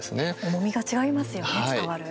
重みが違いますよね伝わる。